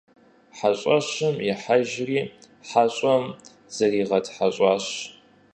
ХьэщӀэщым ихьэжри хьэщӀэм зыригъэтхьэщӀащ.